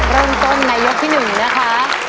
เริ่มต้นในยกที่หนึ่งนะคะ